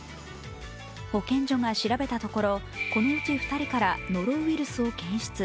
保健所が調べたところこのうち２人からノロウイルスを検出。